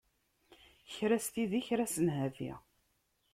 Kra s tidi, kra s nnhati.